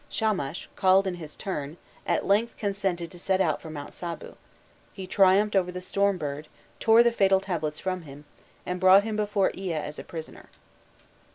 Shamash, called in his turn, at length consented to set out for Mount Sabu: he triumphed over the storm bird, tore the fatal tablets from him, and brought him before Ea as a prisoner.